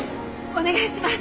お願いします！